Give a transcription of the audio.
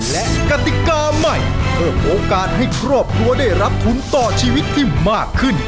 และกติกาใหม่เพิ่มโอกาสให้ครอบครัวได้รับทุนต่อชีวิตที่มากขึ้น